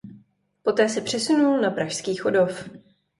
Poté se přesunul na pražský Chodov.